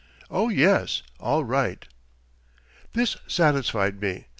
"Oh, yes, all right." This satisfied me.